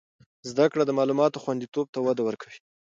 زده کړه د معلوماتو خوندیتوب ته وده ورکوي.